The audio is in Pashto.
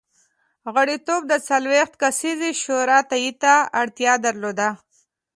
غړیتوب د څلوېښت کسیزې شورا تایید ته اړتیا درلوده